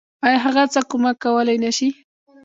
آيا هغه څه کمک کولی نشي.